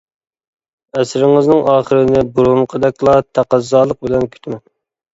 ئەسىرىڭىزنىڭ ئاخىرىنى بۇرۇنقىدەكلا تەقەززالىق بىلەن كۈتىمەن!